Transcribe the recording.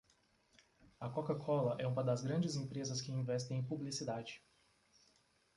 A coca cola é uma das grandes empresas que investem em publicidade